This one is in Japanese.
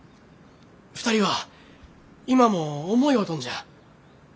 ２人は今も思い合うとんじゃ。